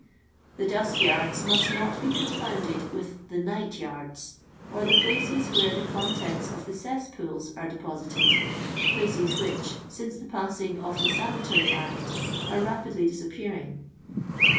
The dunt yards must not be confounded with the " night yard?," or the places where the con tents of iho cesspools are deposited, places which, since the passing of the Sanatory Act, are rapidly disappearing.